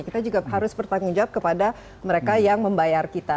kita juga harus bertanggung jawab kepada mereka yang membayar kita